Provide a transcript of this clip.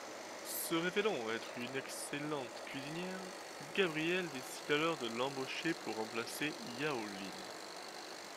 Se révélant être une excellent cuisinière, Gabrielle décide alors de l'embaucher pour remplacer Yao-Lin.